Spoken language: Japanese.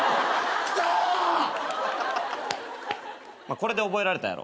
これで覚えられたやろ？